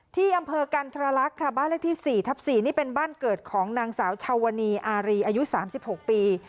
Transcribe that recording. ที่อำเภอกันทรลักษณ์ค่ะบ้านเลขที่๔ทับ๔นี่เป็นบ้านเกิดของนางสาวชาวนีอารีอายุ๓๖ปี